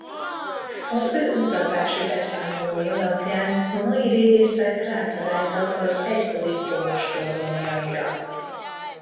Az ő utazási beszámolói alapján a mai régészek rátaláltak az egykori kolostor romjaira.